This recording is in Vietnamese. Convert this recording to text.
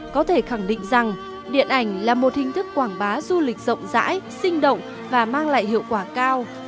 có thể khẳng định rằng điện ảnh là một hình thức quảng bá du lịch rộng rãi sinh động và mang lại hiệu quả cao